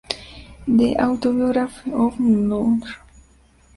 The Autobiography of Nur.